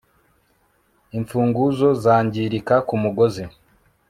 Imfunguzo zangirika kumugozi